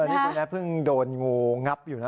นี่คุณแม่เพิ่งโดนงูงับอยู่นะ